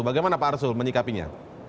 bagaimana pak arsul menyikapinya